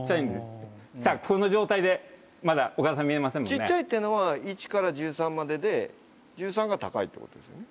小っちゃいっていうのは１から１３までで１３が高いってことですよね？